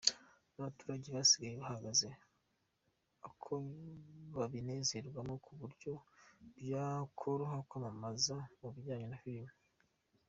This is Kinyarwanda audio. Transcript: N’abaturage basigaye bagaragaz ako babinezerwamo ku buryo byakoroha kwamamaza mu bijyanye na filimi.